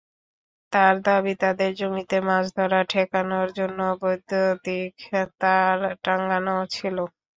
তাঁর দাবি, তাঁদের জমিতে মাছ ধরা ঠেকানোর জন্য বৈদ্যুতিক তার টাঙানো ছিল।